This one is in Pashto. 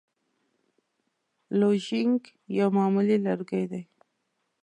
لوژینګ یو معمولي لرګی دی.